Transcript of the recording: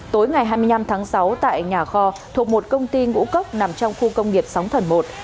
tối ngày hai mươi năm tháng sáu tại nhà kho thuộc một công ty ngũ cốc nằm trong khu công nghiệp sóng thần một